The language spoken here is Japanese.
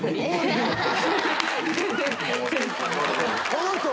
この人。